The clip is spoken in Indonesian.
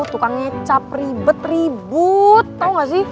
tukang ngecap ribet ribut tau nggak sih